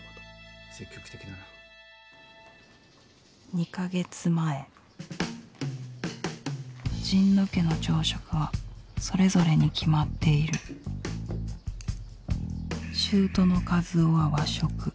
２か月前神野家の朝食はそれぞれに決まっている舅の和雄は和食。